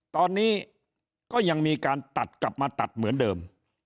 ตอนนี้ก็ยังมีการตัดกลับมาตัดเหมือนเดิม